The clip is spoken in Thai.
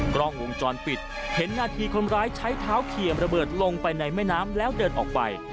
กล้องวงจรปิดเห็นนาทีคนร้ายใช้เท้าเขี่ยมระเบิดลงไปในแม่น้ำแล้วเดินออกไป